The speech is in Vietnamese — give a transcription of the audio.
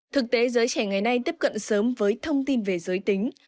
thực tế giới trẻ ngày nay tiếp cận sớm với thông tin về giới tính